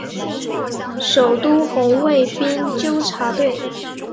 首都红卫兵纠察队。